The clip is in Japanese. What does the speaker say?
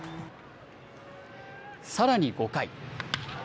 さらに５回。